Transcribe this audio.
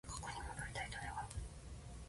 過去に戻りたいと願う